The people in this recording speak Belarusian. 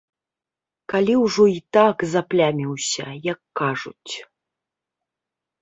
Калі ўжо і так запляміўся, як кажуць.